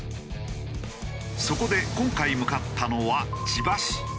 そこで今回向かったのは千葉市。